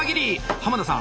濱田さん